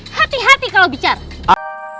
hati hati kalau bicara